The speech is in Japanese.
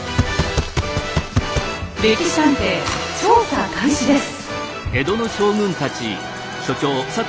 「歴史探偵」調査開始です。